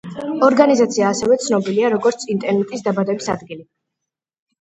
ორგანიზაცია ასევე ცნობილია, როგორც ინტერნეტის დაბადების ადგილი.